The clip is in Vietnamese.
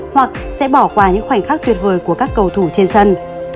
hoặc sẽ bỏ qua những khoảnh khắc tuyệt vời của các cầu thủ trên sân